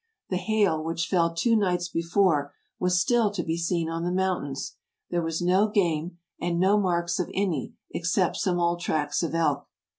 The hail which fell two nights before was still to be seen on the mountains; there was no game, and no marks of any, except some old tracks of elk.